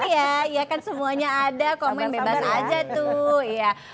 iya kan semuanya ada komen bebas aja tuh